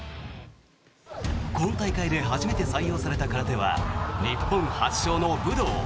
今大会で初めて採用された空手は日本発祥の武道。